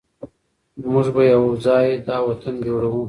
موږ به یو ځای دا وطن جوړوو.